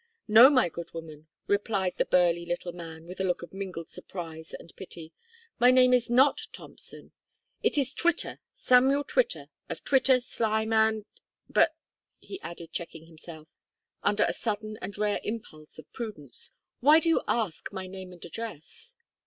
"No, my good woman," replied the burly little man, with a look of mingled surprise and pity, "my name is not Thompson. It is Twitter Samuel Twitter, of Twitter, Slime and , but," he added, checking himself, under a sudden and rare impulse of prudence, "why do you ask my name and address?"